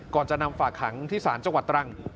ก่อนจะนำฝากขังที่ศาลจังหวัดตรัง